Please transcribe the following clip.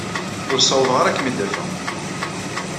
Ur ssawḍeɣ ara ad kem-id-afeɣ.